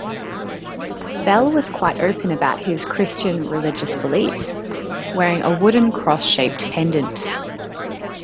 Bell was quite open about his Christian religious beliefs, wearing a wooden cross-shaped pendant.